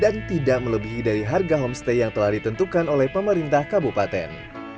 dan tidak melebihi dari harga homestay yang telah ditentukan oleh pemerintah kabupaten